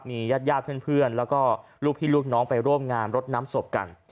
มีญาติญาติเพื่อนแล้วก็ลูกพี่ลูกน้องไปร่วมงานรดน้ำศพกัน